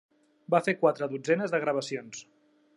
Va fer quatre dotzenes de gravacions.